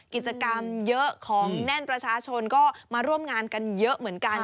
กิจกรรมเยอะของแน่นประชาชนก็มาร่วมงานกันเยอะเหมือนกัน